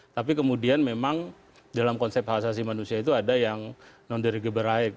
tapi kemudian memang dalam konsep hak asasi manusia itu ada yang non derigaber right